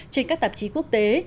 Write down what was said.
trên các tạp chí quốc tế